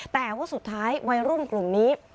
แต่ว่าสุดท้ายวัยรุ่นกลุ่มนี้